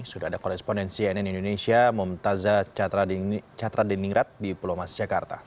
sudah ada korespondensi ann indonesia memutazah catra dinding rat di pulau masyarakat